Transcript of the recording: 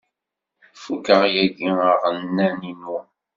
Fukeɣ yagi aɣanen-inu.